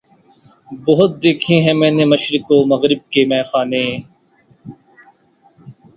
بہت دیکھے ہیں میں نے مشرق و مغرب کے مے خانے